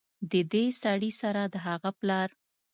ددې سړي سره د هغه پلار